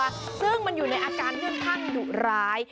ซึ่งมันอยู่ในอาการที่มันขั้นดุร้าย